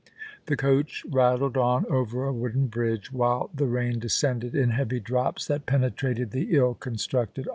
The coach rattled on over a wooden bridge, while the rain descended in heavy drops that penetrated the ill con structed awning.